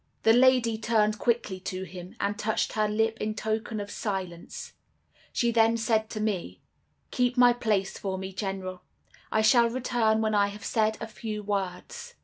"The lady turned quickly to him, and touched her lip in token of silence; she then said to me, 'Keep my place for me, General; I shall return when I have said a few words.